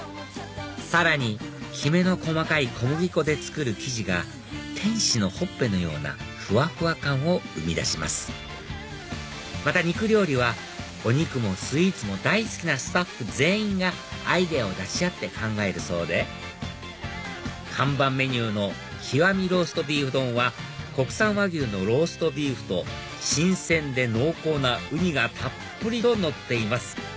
さらにきめの細かい小麦粉で作る生地が天使のほっぺのようなふわふわ感を生み出しますまた肉料理はお肉もスイーツも大好きなスタッフ全員がアイデアを出し合って考えるそうで看板メニューの極みローストビーフ丼は国産和牛のローストビーフと新鮮で濃厚なウニがたっぷりとのっています